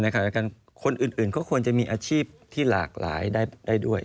แล้วก็คนอื่นก็ควรจะมีอาชีพที่หลากหลายได้ด้วย